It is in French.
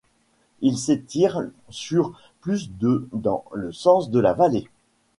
Il s'étire sur plus de dans le sens de la vallée.